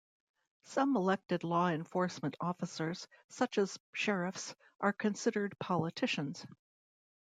Some elected law enforcement officers, such as sheriffs, are considered politicians.